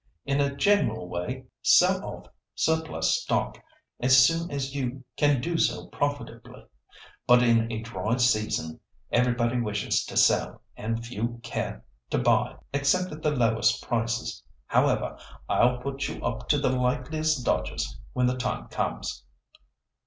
In a general way, sell off surplus stock as soon as you can do so profitably. But in a dry season everybody wishes to sell, and few care to buy except at the lowest prices. However, I'll put you up to the likeliest dodges when the time comes."